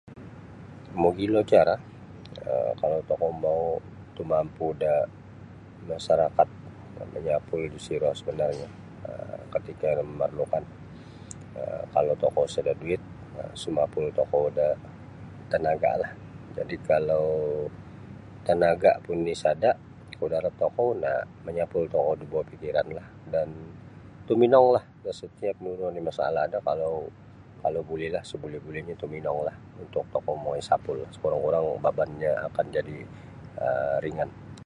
Mogilo cara um kalau tokou mau tumampu da masarakat manyapul disiro sebenarnyo um ketika iro memerlukan um kalau tokou sada duit nah sumapul tokou da tenagalah jadi kalau tenaga pun isada kudarat tokou na manyapul tokou da buah pikiranlah dan tuminonglah da setiap nunu oni masalah do kalau bulilah sebuli-bulinyo tuminonglah tokou mongoi sapul sekurang-kurangnyo babannyo akan jadi um ringan.